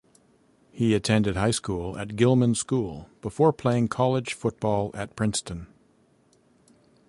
He attended high school at Gilman School before playing college football at Princeton.